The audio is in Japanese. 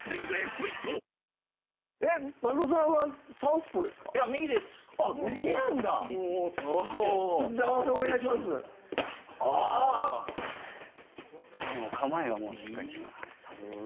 構えがもうしっかりしてますね。